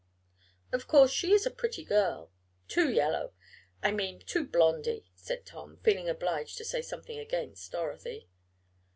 "Of course she is a pretty girl " "Too yellow I mean too blondy," said Tom, feeling obliged to say something against Dorothy.